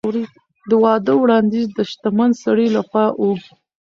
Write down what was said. د واده وړاندیز د شتمن سړي له خوا و.